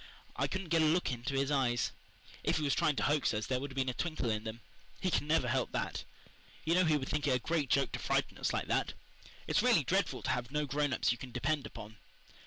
"I couldn't get a look into his eyes. If he was trying to hoax us there would have been a twinkle in them. He can never help that. You know he would think it a great joke to frighten us like this. It's really dreadful to have no grown ups you can depend on."